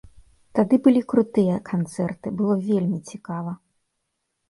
Тады былі крутыя канцэрты, было вельмі цікава.